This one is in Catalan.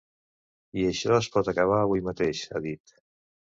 I això es pot acabar avui mateix, ha dit.